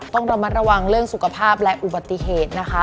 ต้องระมัดระวังเรื่องสุขภาพและอุบัติเหตุนะคะ